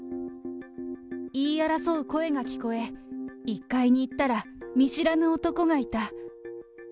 言い争う声が聞こえ、１階に行ったら、見知らぬ男がいた。